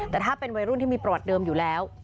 แต่ถ้าเป็นวัยรุ่นที่มีประวัติเดิมอยู่แล้ว